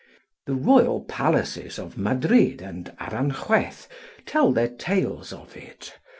The royal palaces of Madrid and Aranjuez tell their tales of it.